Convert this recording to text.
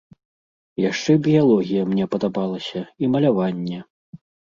Яшчэ біялогія мне падабалася і маляванне.